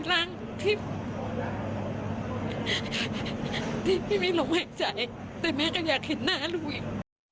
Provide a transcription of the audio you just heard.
ล้างที่ไม่มีลมหายใจแต่แม่ก็อยากเห็นหน้าลูกอีก